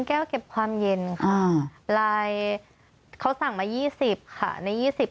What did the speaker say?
แก้วเก็บความเย็นค่ะลายเขาสั่งมายี่สิบค่ะในยี่สิบ